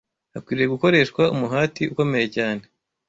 Hakwiriye gukoreshwa umuhati ukomeye cyane